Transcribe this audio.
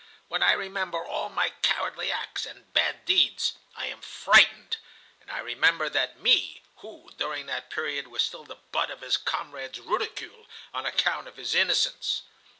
when I remember all my cowardly acts and bad deeds, I am frightened. And I remember that 'me' who, during that period, was still the butt of his comrades' ridicule on account of his innocence.